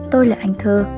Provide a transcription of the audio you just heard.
tôi là anh thơ